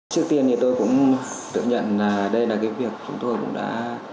trước tiên thì tôi cũng tự nhận đây là cái việc chúng tôi cũng đã